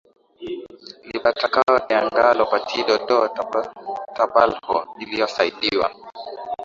Libertacão de Angola Partido do Trabalho iliyosaidiwa